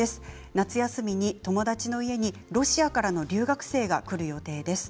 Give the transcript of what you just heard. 夏休みに友達の家にロシアからの留学生が来る予定です。